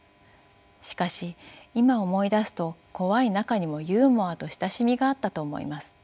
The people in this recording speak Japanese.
しかし今思い出すと怖い中にもユーモアと親しみがあったと思います。